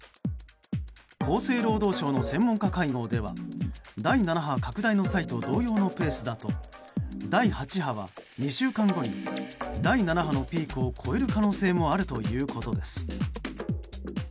厚生労働省の専門家会合では第７波拡大の際と同様のペースだと第８波は２週間後に第７波のピークを超える可能性もあるということです。